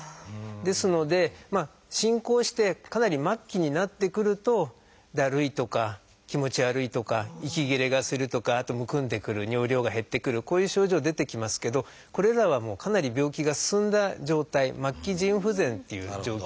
ですので進行してかなり末期になってくるとだるいとか気持ち悪いとか息切れがするとかあとむくんでくる尿量が減ってくるこういう症状出てきますけどこれらはかなり病気が進んだ状態末期腎不全っていう状況なんですね。